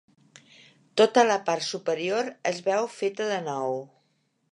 Tota la part superior es veu feta de nou.